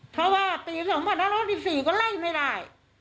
เพราะว่าปี๒๕๖๔ก็ไล่ไม่ได้